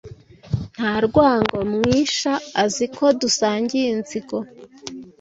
Nta rwango mwisha Azi ko dusangiye inzigo